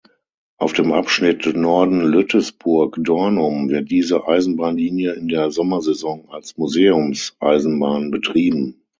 Auf dem Abschnitt Norden-Lütesburg-Dornum wird diese Eisenbahnlinie in der Sommersaison als Museumseisenbahn betrieben.